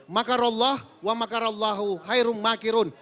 makarallah wa makarallahu hayrum ma'akirun